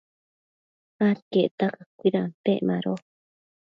adquiecta cacuidampec mado